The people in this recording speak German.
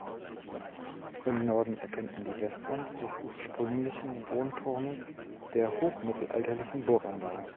Im Norden erkennt man die Westwand des ursprünglichen Wohnturmes der hochmittelalterlichen Burganlage.